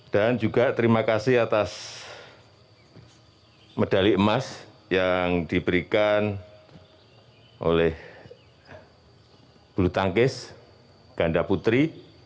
dan juga terima kasih atas medali emas yang diberikan oleh bulutangkis ganda putri